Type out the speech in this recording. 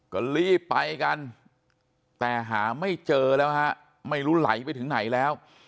ก็รีบไปกันแต่หาไม่เจอแล้วฮะไม่รู้ไหลไปถึงไหนแล้ว